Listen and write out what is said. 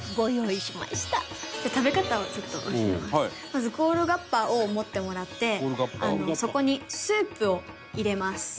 まずゴルガッパを持ってもらってそこにスープを入れます。